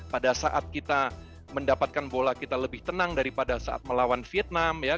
pada saat kita mendapatkan bola kita lebih tenang daripada saat melawan vietnam